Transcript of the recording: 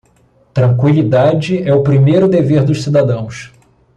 Tranquilidade é o primeiro dever dos cidadãos.